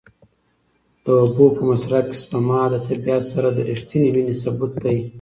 د اوبو په مصرف کې سپما د طبیعت سره د رښتینې مینې ثبوت دی.